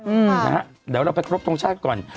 อืมนะฮะเดี๋ยวเราไปครบทรงชาติก่อน